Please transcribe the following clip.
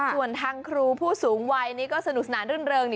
ส่วนทางครูผู้สูงไวนี่ก็สนุกสนานเรื่อง